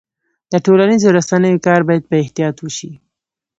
د ټولنیزو رسنیو کار باید په احتیاط وشي.